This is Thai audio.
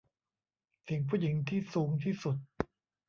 เสียงผู้หญิงที่สูงที่สุด